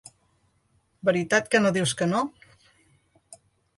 Veritat que no dius que no?